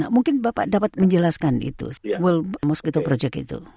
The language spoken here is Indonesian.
mungkin bapak dapat menjelaskan itu world mosquito project itu